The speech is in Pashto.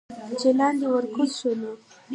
چې لاندې ورکوز شو نو